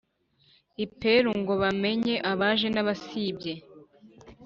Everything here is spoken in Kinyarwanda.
Iperu ngo bamenye abaje n abasibye